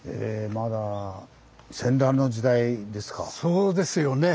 まだそうですよね。